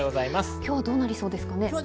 今日はどうなりそうですか。